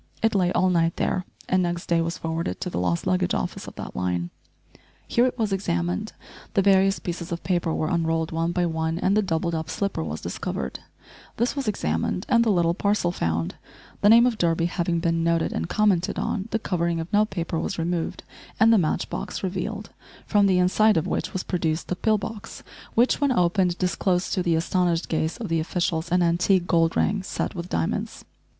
It lay all night there, and next day was forwarded to the lost luggage office of that line. Here it was examined; the various pieces of paper were unrolled one by one and the doubled up slipper was discovered; this was examined, and the little parcel found; the name of Durby having been noted and commented on, the covering of note paper was removed, and the match box revealed, from the inside of which was produced the pill box, which, when opened, disclosed to the astonished gaze of the officials an antique gold ring set with diamonds!